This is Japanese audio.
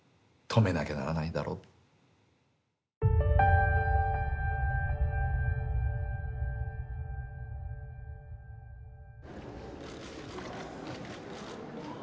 止めなきゃならないだろうと。